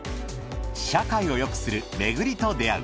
「社会を良くするめぐりとであう」